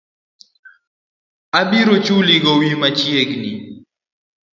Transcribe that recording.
Abiro chuli gowi machiegni